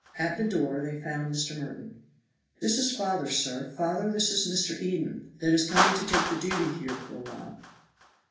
At the door they found Mr. Merton. "This is father, sir. Father, this is Mr. Eden, that is coming to take the duty here for a while."